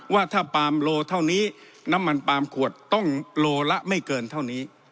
ว่าถ้าปามโลเท่านี้น้ำมันปาล์มขวดต้องโลละไม่เกินเท่านี้